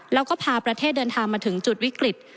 แล้วก็พาประเทศเดินทางมาถึงจุดวิกฤต